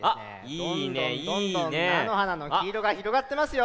どんどんどんどんなのはなのきいろがひろがってますよ。